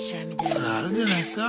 それはあるんじゃないすか？